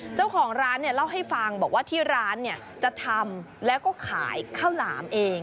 เจ้าของร้านเนี่ยเล่าให้ฟังบอกว่าที่ร้านจะทำแล้วก็ขายข้าวหลามเอง